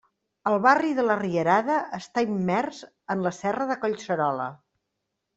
El barri de la Rierada està immers en la serra de Collserola.